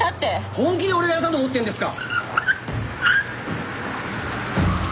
本気で俺がやったと思ってるんですか！？